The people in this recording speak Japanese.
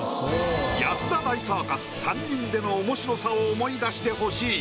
安田大サーカス３人での面白さを思い出してほしい。